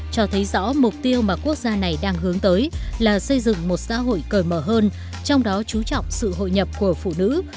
cho thấy rõ mục tiêu mà quốc gia này đang hướng tới là xây dựng một xã hội cởi mở hơn trong đó chú trọng sự hội nhập của phụ nữ